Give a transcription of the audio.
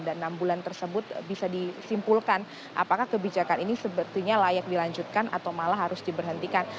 dan enam bulan tersebut bisa disimpulkan apakah kebijakan ini sebetulnya layak dilanjutkan atau malah harus diberhentikan